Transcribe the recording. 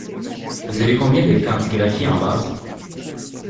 Vous avez combien de quantigraphies en base?